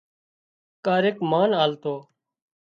ڪاريڪ مانه آلتو